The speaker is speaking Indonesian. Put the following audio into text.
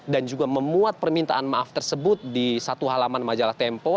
dan juga memuat permintaan maaf tersebut di satu halaman majalah tempo